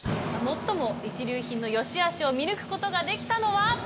最も一流品の良しあしを見抜くことができたのは。